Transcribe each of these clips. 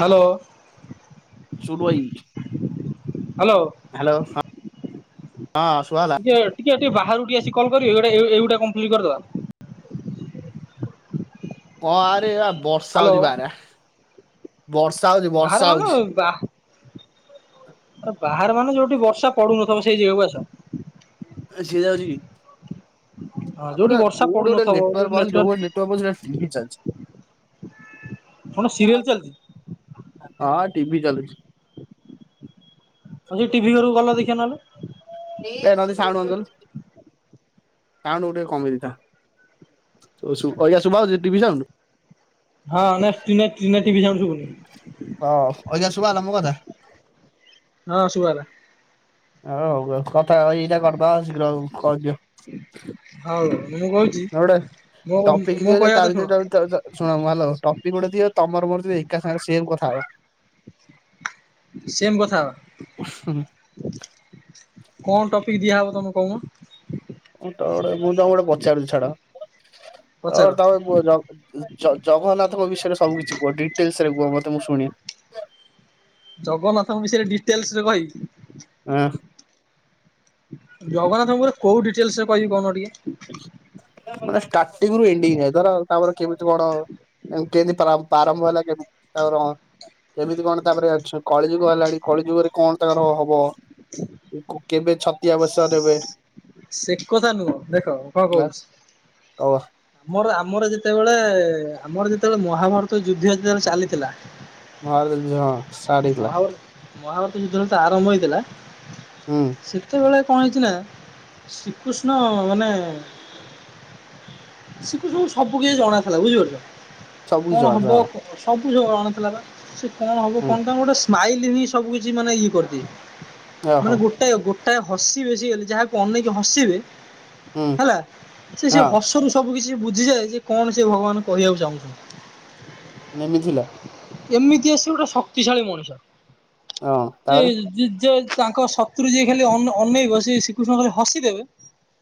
Hello. ଶୁଟୁ ଭାଈ hello hello ହଁ। ହଁ ସୁଭାଗଲା। ଟିକେ ଟିକେ ଟିକେ ବାହାରୁ ଟିକେ ଆସି କଲ୍ କରିବେ ଏଇ ଗୋଟେ ଏଇ ଏଇ ଗୁଟେ କମ୍ପ୍ଲିଟ କରିଦବା। ହଁ ଆରେ ଆ ବର୍ଷା ହ୍ୟାଲୋ ହଉଛି ବାହାରେ ଆ। ବର୍ଷା ହଉଛି ବାହାର ବର୍ଷା ହଉଛି। ଆ ବାହାର ମାନେ ଯୋଉଠି ବର୍ଷା ପଡୁନଥିବ ସେଇ ଜାଗାକୁ ଆସ। ସେ ଯାଉଛି କି? ହଁ ଯୋଉଠି ଆପଣ ବର୍ଷା କୋଉଠି ଗୋଟେ ପଡୁନଥିବ ଯୋଉଠି ନେଟୱାର୍କ ପାଉନି ଯଉ ଘରେ ନେଟୱାର୍କ ପାଉଚି ସେଇଠି ଟିଭି ଚାଲିଚି। କଣ ସିରିୟଲ ଚାଲିଛି। ହଁ ଟିଭିି ଚାଲୁଛି। ହ ସେ ଟିଭି ଘରକୁ ଗଲ ଦେଖିବା ନହେଲେ। ଏ ନନ୍ଦି ସାଉଣ୍ଡ ବନ୍ଦ କଲୁ। ସାଉଣ୍ଡ କୁ ଟିକେ କମି ଦେଇଥା ଶୁ ଶୁ ଅଇକା ଶୁଭା ଯାଉଛି ଟିଭି ସାଉଣ୍ଡ। ହଁ ନା ଟି ନା ଟି ନା ଟି ଭି ସାଉଣ୍ଡ। ଶୁଭୁନି ହ ଅଇକା ଶୁଭା ହେଲା ମୋ କଥା। ହଁ ଶୁଭା ହେଲା। ହଉ ହଉ କଥା ଏଇଟା କରିଦବା ଶୀଘ୍ର କରିଦିଅ। ହଉ ମୁଁ କହୁଛି ଏଉଡ ମୋ ଟପିକ୍ ମୋ ଦିଅ ଯେ କହିବା କଥା ଶୁଣ ତାଭିତରେ ତ ତ ତ ଶୁଣ ହାଲୋ ଟପିକ ଗୋଟେ ଦିଅ ତମର ମୋର ଯେ ଏକା ସାଙ୍ଗରେ ସେମ ହଉ ସେମ୍ କଥା ହବା କଣ ଟପିକ୍ ଦିଆହବ ତମେ କହୁନ। ମୁଁ ତ ଗୋଟେ ମୁଁ ତମକୁ ଗୋଟେ ପଚାରୁଛି ଛାଡ। ଆ ପଚାର ତମେ କୁହ ଜ ଜଗ ଜଗନ୍ନାଥଙ୍କ ବିଷୟରେ ସବୁ କିିଛି କୁହ ଡିଟେଲସ ରେ କୁହ ମ ତ ମୁଁ ଶୁଣି- ଜଗନ୍ନାଥଙ୍କ ବିଷୟରେ ଡିଟେଲସ ରେ ହଁ କହିବି। ଜଗନା ଥଙ୍କର କୋଉ ଡିଟେଲସରେ କହିବି କହୁନ ଟିକେ। ମାନେ ଷ୍ଟାର୍ଟିଙ୍ଗ ରୁ ଏଣ୍ଡିଙ୍ଗ ଯ ଧର ତାପର କେମିତି କଣ କେମିତି ପ୍ରା ପ୍ରାରମ୍ଭ ହେଲା କେମିତି ତାପରେ କେମିତି କଣ ତାପରେ ଅ କଳିଯୁଗ ହେଲାଣି କଳିଯୁଗରେ କଣ ତାଙ୍କର ହବ କେବେ ଛ ତିଆ ବେଶ ଦେବେ ସେ କଥା ନୁହଁ ଦେଖ କଣ କହୁଛି। ଆମର ଆମର ଯେତେବେଳେ ଆମର ଯେତେବେଳେ ମହାଭାରତ ଯୁଦ୍ଧ ଯେତେବେଳେ ଚାଲିଥିଲା ମହାଭାରତ ଯୁଦ୍ଧ ହଁ ଷ୍ଟାର୍ଟ ହେଇଥିଲା ମହାଭା । ମହାଭାରତ ଯୁଦ୍ଧଟା ଯେତବେଳେ ଆରମ୍ଭ ହେଇଥିଲା ହୁଁ। ସେତେବେଳେ କଣ ହେଇଚି ନା ଶ୍ରୀକୃଷ୍ଣ ମାନେ ଶ୍ରୀକୃଷ୍ଣ ଙ୍କୁ ସବୁ କିଛି ଜଣାଥିଲା ବୁଝିପାରୁଛ ସବୁ କିଛି କଣ ହବ ଜଣା ସବୁ ଜଣା ନଥିଲା ବା ସେ କଣ ହେବ ହଁ କଣ ତାଙ୍କ ଗୋଟେ ସ୍ମାଇଲି ହିଁ ସବୁ କିଛି ମାନେ ଇଏ କରିଦିଏ। ମାନେ ଓହୋ ଗୋଟାଏ ଗୋଟାଏ ହସିବେ ସିଏଖାଲି ଯାହାକୁ ଅନେଇକି ହସିବେ ହୁଁ ହେଲା ସେ ସେ ହଁ ହସରୁ ସବୁ କିଛି ବୁଝିଯାଏ ଯାଏ କଣ ସେ ଭଗବାନ କହିବାକୁ ଚାହୁଁଚ୍ନ୍ତି। ମାନେ ଏମିତି ଥିଲା? ଏମିତି ଆସିବ ଗୋଟେ ଶକ୍ତିଶାଳୀ ମଣିଷ। ହଁ ତାପରେ ଜୋ ତାଙ୍କ ଶତ୍ରୁ ଯିଏ ଖାଲି ଅନ ଅନେଇବ ସେ ଶ୍ରୀକୃଷ୍ଣ ଖାଲି ହସିଦେବେ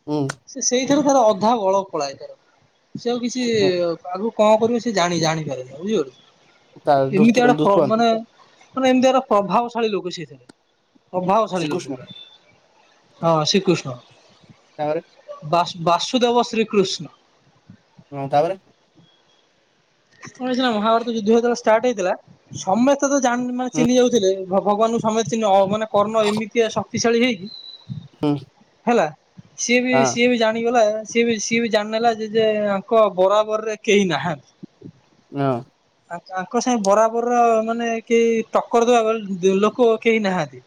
ହୁଁ ସେ ସେଇ ସେଥିରେ ତାର ଅଧା ବଳ ପଳାଏ ତାର ସିଏ ଆଉ କିଛି ବା ଙ୍କ କରିବ ସେ ଜାଣି ଜାଣିପାରେନା ବୁଝି ତା [unintelligible] ଦୁଷ୍ଟ ଏମିତିଆ ଦୁଷ୍ମନ୍ତ ଆଡେ [unintelligible] ମାନେ ଏମିତିଆର ପଭାବଶାଳୀ ଲୋକ ସିଏ ଥିଲେ ପଭାବଶାଳୀ ଲୋକ ଶ୍ରୀକୃଷ୍ଣ ପୁରା। ହଁ ଶ୍ରୀକୃଷ୍ଣ। ତାପରେ ବାସ ବାସୁଦେବ ଶ୍ରୀକୃଷ୍ଣ। ହଁ ତାପରେ କଣ ହେଇଥିଲା ମହାଭାରତ ଯୁଦ୍ଧ ଯେତେବେଳେ ଷ୍ଟାର୍ଟ ହେଇଥିଲା ସମେତେ ତ ଜାଣି ମାନେ ହୁଁ ଚିହ୍ନି ଯାଉଥିଲେ ଭଗ ଭଗବାନଙ୍କୁ ସମେତେ ଚିହ୍ନି ଅ ମାନେ କର୍ଣ୍ଣ ଏମିତିଆ ଶକ୍ତିଶାଳୀ ହେଇକି ଉ। ହେଲା ସିଏ ବି ସିଏ ବି ଜାଣିଗଲା ସିଏ ବି ସିଏ ବି ଜାଣିନେଲା ଯେ ଯେ ତାଙ୍କ ବରାବରରେ କେହି ନାହାନ୍ତି। ନାଓ। ତାଙ୍କ ସାଙ୍ଗେ ବରାବରର ମାନେ କେହି ଟକ୍କର ଦବା ଦ ଲୋକ କେହି ନାହାନ୍ତି।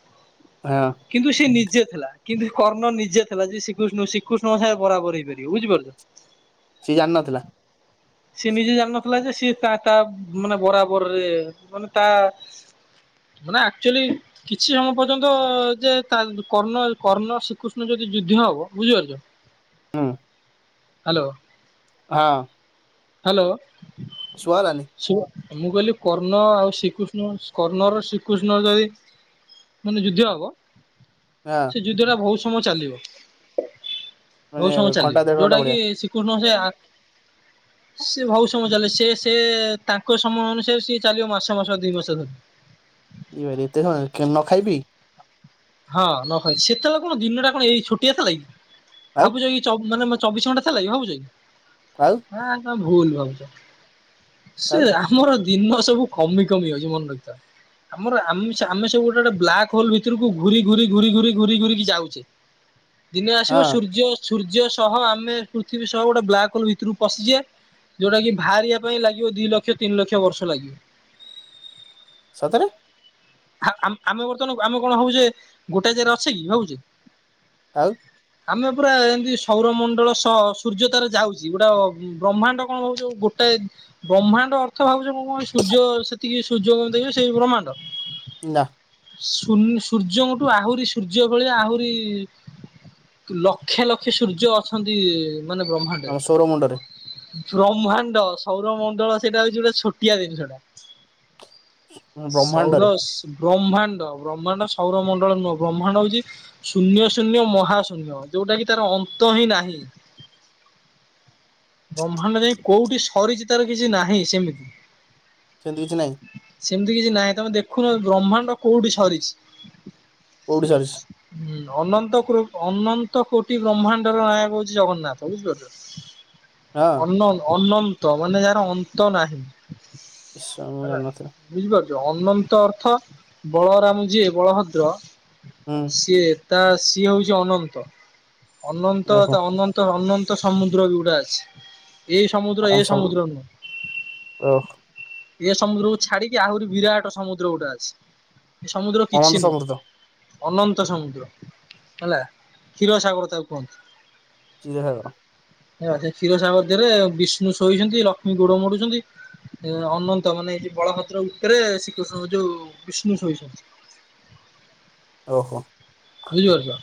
ହଁ କିନ୍ତୁ ସେ ନିଜେ ଥିଲା କିନ୍ତୁ କର୍ଣ୍ଣ ନିଜେ ଥିଲା ଯେ ଶ୍ରୀକୃଷ୍ଣ ଶ୍ରୀକୃଷ୍ଣଙ୍କ ସାଙ୍ଗରେ ବରାବର ହେଇପାରିବ ବୁଝିପାରୁଚ। ସିଏ ଜାନନଥିଲା ସେ ନିଜେ ଜାଣିନଥିଲା ଯେ ସିଏ ତା ମାନେ ବରାବରରେ ମାନେ ତା ମାନେ ଆକ୍ଚୁଆଲି କିଛି ସମୟ ପର୍ଯ୍ୟନ୍ତ ଯେ ତା କର୍ଣ୍ଣ କର୍ଣ୍ଣ ଶ୍ରୀକୃଷ୍ଣ ଯଦି ଯୁଦ୍ଧ ହବ ବୁଝିପାରୁଚ। ଉଁ। ହାଲୋ। ହଁ। ହାଲୋ। ଶୁଆ ରାନୀ ମୁଁ କହିଲି କର୍ଣ୍ଣ ଆଉ ଶ୍ରୀକୃଷ୍ଣ କର୍ଣ୍ଣର ଶ୍ରୀକୃଷ୍ଣ ଯଦି ମାନେ ଯୁଦ୍ଧ ହବ ହଁ ସେ ଯୁଦ୍ଧ ଟା ବହୁତ ସମୟ ଚାଲିବ। ବହୁତ ମାନେ ସମୟ ଘଣ୍ଟା ଚାଲିବ ଦେଢ ଘଣ୍ଟା ଯୋଉଟା ଭଳିଆ କି ଶ୍ରୀକୃଷ୍ଣ ସେ ଆ ସେ ବହୁତ ସମୟ ଚାଲେ ସେ ସେ ତାଙ୍କ ସମୟ ଅନୁସାରେ ସିଏ ଚାଲିବ ମାସ ମାସ ଦି ମାସ ଧରି। [unintelligible] ଏ ଭାଇରେ ଏତେ ସମୟ ନ ଖାଇବ ପି ହଁ ନ ଖାଇ ସେତେବେଳେ କଣ ଦିନ ଟା କଣ ଏଇ ଛୋଟିଆ ଥିଲା କି ଆଉ ଭାବୁଚ କି ଚ ମାନେ ମତ ଚବିଶ ଘଣ୍ଟା ଥିଲା କି ଭାବୁଚ କି? ଆଉ ହ ଭୁଲ ଭାବୁଚ ସେ ଆଉ ଆମର ଦୁ ଦିନ ସବୁ କମି କମି ଯାଉଚି ମନ ରଖିଥାଅ ଆମର ଆମିଷ ଆମିଷ ଆମେ ସବୁ ଗୋଟେ ଗୋଟେ ବ୍ଲାକ୍ ହୋଲ ଭିତରକୁ ଘୁରି ଘୁରି ଘୁରି ଘୁରି ଘୁରି ଘୁରିିକି ଯାଉଚି ଦିନେ ଆସିବ ହଁ ସୂର୍ଯ୍ୟ ଅଛ ସୂର୍ଯ୍ୟ ସହ ଆମେ ପୃଥିବୀ ସହ ଗୋଟେ ବ୍ଲାକ୍ ହୋଲ ଭିତରୁକୁ ପଶିଯିଆ। ଯୋଉଟା କି ଭାହାରିବା ପାଇଁ ଲାଗିବ ଦିଲକ୍ଷ ତିନିଲକ୍ଷ ବର୍ଷ ଲାଗିବ। ସତରେ। ହାଆ ଆମ୍ ଆମେ ବର୍ତ୍ତମାନ ଆମେ କଣ ଭାବୁଚେ ଗୋଟେ ଜାଗାରେ ଅଛେ କି ଭଉଚେ। ଆଉ। ଆମେ ପୁରା ଏମତି ସୌରମଣ୍ଡଳ ସହ ସୂର୍ଯ୍ୟ ତାର ଯାଉଛି। ଗୋଟେ ବ୍ରହ୍ମାଣ୍ଡ କଣ ହଉଛ ଗୋଟା [unintelligible] ବ୍ରହ୍ମାଣ୍ଡ ଅର୍ଥ ଭାବୁଚେ ମୁ [unintelligible] ସୂର୍ଯ୍ୟ ସେତିକି ସୂର୍ଯ୍ୟଙ୍କ ଦେଇ ସେଇ ବ୍ରହ୍ମାଣ୍ଡ। ନା। ସୁ ନ୍‌ ସୂର୍ଯ୍ୟଙ୍କଠୁ ଆହୁରି ସୂର୍ଯ୍ୟ ଭଳିଆ ଆହୁରି ଲକ୍ଷ ଲକ୍ଷେ ସୂର୍ଯ୍ୟ ଅଛନ୍ତି। ମାନେ ବ୍ରହ୍ମାଣ୍ଡରେ। ଆମ ସୌର ମୁଣ୍ଡରେ ବ୍ରହ୍ମାଣ୍ଡ ସୌରମଣ୍ଡଳ ସେଇଟା ହଉଚି ଗୋଟେ ଛୋଟିଆ ଜିନିଷଟା। ସୌର ବ୍ରହ୍ମାଣ୍ଡରେ। ବ୍ରହ୍ମାଣ୍ଡ ବ୍ରହ୍ମାଣ୍ଡ ସୌରମଣ୍ଡଳ ନୁହଁ ବ୍ରହ୍ମାଣ୍ଡ ହଉଛି ଶୂନ୍ୟ ଶୂନ୍ୟ ମହାଶୂନ୍ୟ। ଯୋଉଟା କିି ତାର ଅନ୍ତ ହିଁ ନାହିଁ। ବ୍ରହ୍ମାଣ୍ଡ ଯାଇ କୋଉଠି ସରିଚି। ତାର କିଛି ନାହିଁ ସେମିତି। ସେମିତି କିଛି ନହିଁ। ସେମିତି କିଛି ନାହିଁ ତମେ ଦେଖୁନ ବ୍ରହ୍ମାଣ୍ଡ କୋଉଠି ସରିଛି। କୋଉଠି ସରିଛି ହୁଁ। ଅନନ୍ତ କ୍ରୋ ଅନନ୍ତ କୋଟି ବ୍ରହ୍ମାଣ୍ଡର ନାୟକ ହଉଚି ଜଗନ୍ନାଥ। ହଁ ବୁଝିପାରୁଚ଼। ଅନ ଅନନ୍ତ ମାନେ ଯାହାର ଅନ୍ତ ନାହିଁ। ଏସବୁ ହେଲା। ଜାଣି ନଥିଲି। ବୁଝିପାରୁଛ ଅନନ୍ତ ଅର୍ଥ ବଳରାମ ଯିଏ ବଳଭଦ୍ର ହୁଁ ସିଏ ତା ସିଏ ହଉଛି ଅନନ୍ତ ଅନନ୍ତ ଓହୋ ଅନନ୍ତ ଅନନ୍ତ ତ ସମୁଦ୍ର ବି ଗୁଡ଼ା ଅଛି। ଏଇ ସମୁଦ୍ର ଓ ଏ ସମୁଦ୍ର ନୁହଁ। ଏ ସମୁଦ୍ରକୁ ଛାଡିକି ଆହୁରି ବିରାଟ ସମୁଦ୍ର ଗୋଟେ ଅଛି। ଏ ସମୁଦ୍ର ଅନନ୍ତ କିଛି ସମୃଦ୍ଧ ନୁହଁ। ଅନନ୍ତ ସମୁଦ୍ର ହେଲା। କ୍ଷୀରସାଗର ତାକୁ କୁହନ୍ତିୁ। କ୍ଷୀର ସାଗର। [unintelligible] କ୍ଷୀରସାଗର ଦେହରେ ବିଷ୍ଣୁ ଶୋଇଛନ୍ତି, ଲକ୍ଷ୍ମୀ ଗୋଡ ମୋଡୁଛନ୍ତି, ଅନନ୍ତ ମାନେ ବଳଭଦ୍ର ଉପରେ ଶ୍ରୀକୃଷ୍ଣ ଯୋଉ ବିଷ୍ଣୁ ଶୋଇଛନ୍ତି। ଓହୋ। ବୁଝିପାରୁଛ।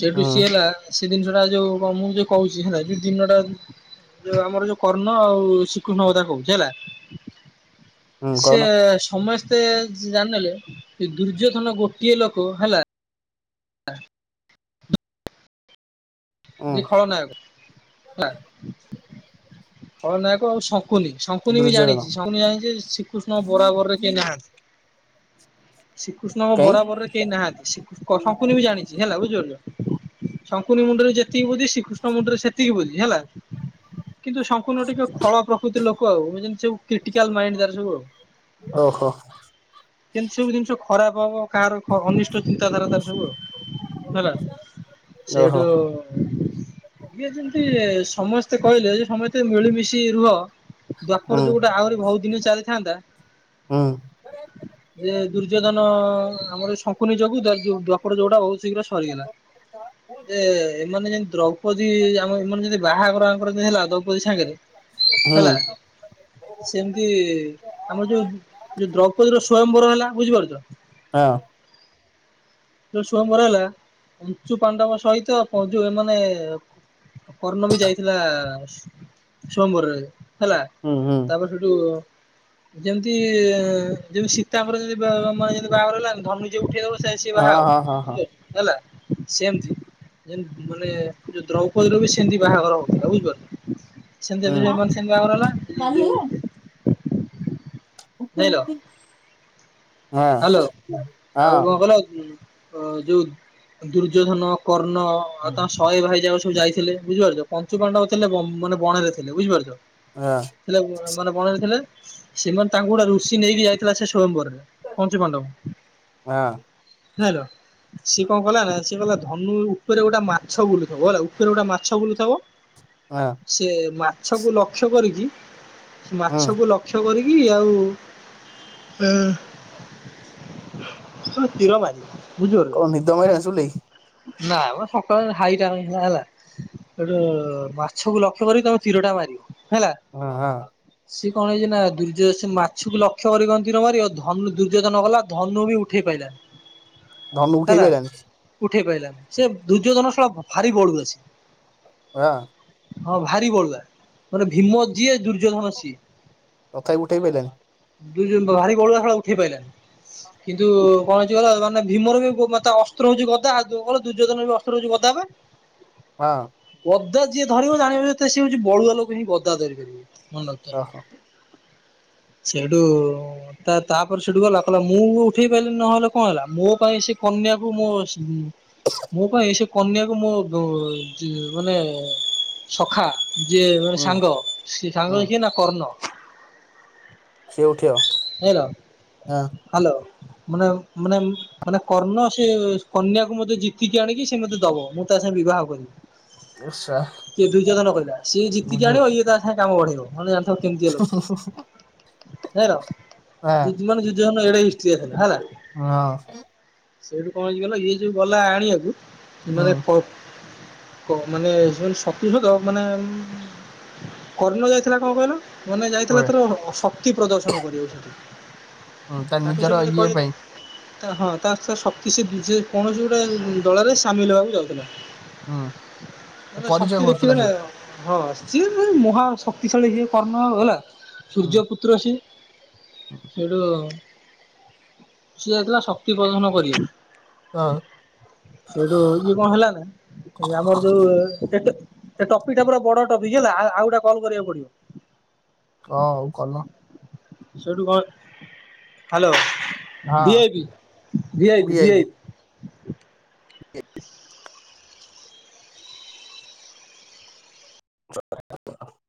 ସେଠୁ ସିଏ ହୁଁ ହେଲା ସେଇ ଜିନିଷଟା ଯୋଉ ମୁଁ ଯଉ କହୁଛି ହେ ଯୋଉ ଦିନଟା। ଯୋଉ ଆମର ଯୋଉ କର୍ଣ୍ଣ ଆଉ ଶ୍ରୀକୃଷ୍ଣ କଥା କହୁଛି ହେଲା। ହୁଁ ସେ କହୁନ ସମସ୍ତ। ମତେ ଜାଣିଲେ ଦୁର୍ଯ୍ୟୋଧନ ଗୋଟିଏ ଲୋକ ହେଲା। ହଁ। ହୁଁ ଖଳନାୟକ ଖଳନାୟକ ଆଉ। ଶଙ୍କୁନି ଶଙ୍କୁନି ବି ଦୁର୍ଯ୍ୟୋଧନ ଜାଣିଛି ଶଙ୍କୁନି ଜାଣିଛି ଶ୍ରୀକୃଷ୍ଣ ବରାବରରେ କେଏ ନାହାନ୍ତି। ଶ୍ରୀକୃଷ୍ଣଙ୍କ କାଇଁ ବରାବରରେ କେହି ନାହାନ୍ତି ଶ୍ରୀ ଶଙ୍କୁକୁନି ବି ଜାଣିଛି ହେଲା ବୁଝିପାରିଲ। ଶଙ୍କୁନି ମୁଣ୍ଡରେ ଯେତିକି ବୁଦ୍ଧି ଶ୍ରୀକୃଷ୍ଣ ମୁଣ୍ଡରେ ସେତିକି ବୁଦ୍ଧି ହେଲା଼। କିନ୍ତୁ ସଂକୁନି ଟିକେ ଫଳ ପ୍ରକୃତିର ଲୋକ ଆଉବୁ କ୍ରିଟିକାଲ ମାଇଣ୍ଡ ତାର ସବୁ ଆଉ। ଓହୋ। ଯେମିତି ସବୁ ଜିନିଷ ଖରାପ ହବ କାହାର ଅନିଷ୍ଟ ଚିନ୍ତାଧାରା ତାର ସବୁ, ହେଲା। ଓହୋ ସେଇଠୁ। ଇଏ ଯେମିତି ସମସ୍ତେ କହିଲେ ଯ ସମସ୍ତେ ମିଳିମିଶି ରୁହ। ହୁଁ ଦ୍ୱାପର ଯୁଗଟା ଆହୁରି ବହୁତ ଦିନ ଚାଲିଥାନ୍ତା। ହୁଁ ଯେ ଦୁର୍ଯ୍ୟୋଧନ ଆମର ଶଙ୍କୁନି ଯୋଗୁ ଦ୍ୱାପର ଯୁଗଟା ବହୁତ ଶୀଘ୍ର ସରିଗଲା। ଯେ ଏମାନେ ଯେମିତି ଦ୍ରୌପଦୀ ଆମ ଏମାନେ ଯେମିତି ବାହାଘରଙ୍କର ଆଙ୍କର ହେଲା ଦ୍ରୌପଦୀ ସାଙ୍ଗରେ। ହଁ। ହେଲା ସେମିତି ଆମର ଯୋଉ ଯୋଉ ଦ୍ରୌପଦୀ ର ସ୍ଵୟଂବର ହେଲା ବୁଝିପାରୁଛ! ହଁ। ଯୋଉ ସୟବର ହେଲା ଉଞ୍ଚୁ ପାଣ୍ଡବ ସହିତ ଯୋଉ ମାନେ ପର୍ଣ୍ଣମୀ ଯାଇଥିଲା ସମ୍ବରରେ ହେଲା ହୁଁ ହୁଁ ତାପରେ ସେଠୁ ଯେମିତି ଯେମିତି ସୀତାଙ୍କର ଯମି ମାନେ ଯି ବାହାଘର ହେଲାନ ଧନୁ ନିଜେ ଉଠେଇଦବ ହଁ ହଁ ହଁ ହଁ ବୁ ହେଲା। ସେମତି ମାନେ ଯୋଉ ଦ୍ରୌପଦ ର ବି ସେମତି ବାହାର ହବ ହୁଁ। ବୁଝିପାରୁିଲ ସେମ ବାହାଘର ହେଲା ଡାଲି ହେଇଗଲାଣି? ଯୋଉ ଯାଇଁଲ [unintelligible] ହ୍ୟାଲୋ ହଁ ଆଉ ବଲ? ଯୋଉ ଦୁର୍ଯ୍ୟୋଧନ କର୍ଣ୍ଣ ଆଉ ତାଙ୍କ ଶହେ ଭାଇଯା ଯାଇଥିଲେ ବୁଝିପାରୁଛ କଞ୍ଚୁ ପାଣ୍ଡବ ଥିଲେ ମାନେ ବଣ ରେ ଥିଲେ ବୁଝିପାରୁଛ। ମାନେ ମଣଥିଲେ ସେମାନେ ତାଙ୍କୁ ଗୋଟେ ରୁଷି ନେଇକି ଯାଇଥିଲା ସେ ସୟମ୍ବରରେ ପଞ୍ଚି ପାଣ୍ଡଵ ହଁ ଜାଲ। ସିଏ କଣ କଲା ନା ସେ ଧନୁ ଉପରେ ଗୋଟେ ମାଛ ବୁଲୁଥିବ ହେଲା ଉପରେ ଗୋଟେ ମାଛ ବୁଲୁଥିବ ହଁ ସେ ମାଛକୁ ଲକ୍ଷ୍ୟ କରିକି ହଁ ମାଛକୁ ଲକ୍ଷ୍ୟ କରିକି ଆଉ ଅ ହ ତିର ମଜିିବ କଣ ନିଦ ମିଳିଲା ନାହିଁ? ନା ଆମ ସକାଳ ହାଇଟା ହେ ହେଲା! ଗଟେ ମାଛକୁ ଲକ୍ଷ୍ୟ କରିକି ତମେ ତୀରଟା ମାରିବ। ହେଲା। ହଁ ହଁ। ସିଏ କଣ ହେଇଛି ନା ଦୂର୍ଯ୍ୟ ସେ ମାଛକୁ ଲକ୍ଷ୍ୟ କରିିନ୍ତି ନ ମାରି ଅଧ ଧନୁ ଦୁର୍ଯ୍ୟୋଧନ କଲା ଧନୁ ବି ଉଠେଇ ପଲାନ ଧନୁ ଉଠେଇ ପଡେଇଲା ଉଠେଇ କହିଲାନି ସେ ଦୁର୍ଯ୍ୟୋଜନ ସଳ ଭାରି ବଢୁଅସି ହଁ। ହଁ ଭାରି ପଡା ମାନେ ଭୀମ ଯିଏ, ଦୁର୍ଯ୍ୟୋଧନ ସିଏ। ତଥାପି ଉଠେଇ ପାରିଲନି? ଦୁ [unintelligible] ଭାରି ବଳୁଆ ଶଳା ଉଠେଇ ପ ପାଇଲାନହିଁ କିନ୍ତୁ କଣ ହେଛି ଗ ମାନେ ଭୀମର ବି ମତେ ଅସ୍ତ୍ର ହଉଛି ଗଦା କ ଦୁର୍ଯୋଧନ ବି ଅସ୍ତ୍ର ହଉଛି ଦବା ହଁ। ଗଦା ଯିଏ ଧରିବ ଜାଣିବ ଯେ ସିଏ ହଉଛି ବଳୁଆ ଲୋକ ହିଁ ଗଦା ଧରି ପାରିବ ମନେ ରଖିଥା ଓହୋ ସେଇଠୁ ତା ତାପରେ ସେଠୁ ଗଲା କହିଲା, ମୁଁ ଉଠେଇ ପାରିଲି ନହେଲେ କଣ ହେଲା ମୋ ପାଇଁ ସେ କନ୍ୟାକୁ ମୋ ମୋ ପାଇଁ ସେ କନ୍ୟାକୁ ମୋ ମାନେ ସଖା ଯିଏ ମାନେ ହୁଁ ସାଙ୍ଗ ସେ ହୁଁ ସାଙ୍ଗ ଯିଏ ନା କର୍ଣ୍ଣ ସିଏ ଉଠିବ! ହଁ ହାଲୋ! ମାନେ ମାନେ ମାନେ କର୍ଣ୍ଣ ସେ କନ୍ୟାକୁ ମତେ ଜିତିକି ଆଣିକି ସେ ମତେ ଦବ ମୁଁ ତା ବିବାହ କରିବ ଉଷା କିଏ ଦୁର୍ଜଧନ କହିଲା ସିଏ ଜିତିକି, ବୁଝ। ଆଣିବ ଇଏ ତା ସାଙ୍ଗେ କାମ ବଢେଇବ ନହେଲେ ଜ [inaudible] ହେଇ ର ହଁ ଯି ମାନେ ଦୁର୍ଜଧନ ଏଡେ ହିଷ୍ଟ୍ରିଆ ଥେଲା ହେଲା ହଁ ସେଇଠୁ କଣ ହେଇଛି କହିଲ, କ ଗଲ ଇଏ ଯୋଉ ଗଲା ଆଣିବାକୁ ନେ ହୁଁ କ ମାନେ ଶକ୍ତିଭେଦ ମାନେ କର୍ଣ ଯାଇଥିଲା କଣ କହିଲ ମାନେ ଯାଇଥିଲା କୁଆଡେ ତାର ଶକ୍ତି ପ୍ରଦର୍ଶନ କରିବାକୁ। ହୁଁ ତା ତାକୁ ନିଜର ସମତେ ଇଏ କହି ପାଇଁ ତା ହଁ ତା ସେ ଶକ୍ତି ସେ ସେ କୌଣସି ଗୋଟେ ଦଳରେ ସାମିଲ ହେବାକୁ ଯାଉଥିଲା ହୁଁ । ମାନେ ପରିଚୟ ଶକ୍ତି ଦେଖିବେ ଖୋଜୁଥିଲା ସେ। ନା, ହଁ। ସିଏ ଭାଇ ମହାଶକ୍ତିଶାଳୀ ଇଏ କର୍ଣ୍ଣ ଆଉ ହେଲା ହୁଁ ସୂର୍ଯ୍ୟପୁତ୍ର ସିଏ। ସେଇଠୁ ସିଏ ଯାଇଥିଲା ଶକ୍ତିପ୍ରଦର୍ଶନ ହଁ କରିବାକୁ। ସେଇଠୁ ଇଏ କଣ ହେଲା ନା ଏ ଆମର ଯୋଉ ସେ ଟପିକଟା ପୁର ବଡ ଟପିକ ହେଲା ଆଉ ଗୋଟା କଲ୍ କରିବାକୁ ପଡିବ। ହଁ ହଉ କଲ। ସେଇଠୁ କଣ ହାଲୋ। ହଁ ଭିଆଇପି, ଭିଆଇପି, ଭିଆଇପି। [unintelligible]